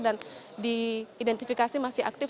dan diidentifikasi masih aktif